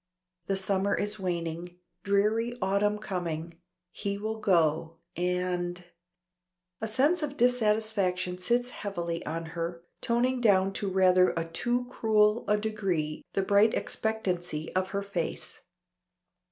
The summer is waning dreary autumn coming. He will go and A sense of dissatisfaction sits heavily on her, toning down to rather a too cruel a degree the bright expectancy of her face.